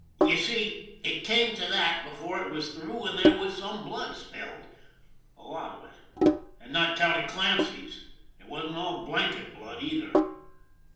You see it came to that before it was through, and there was some blood spilled a lot of it and, not counting Clancy's, it wasn't all " blanket '* blood, either.